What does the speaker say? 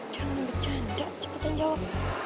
jangan bercanda cepetin jawab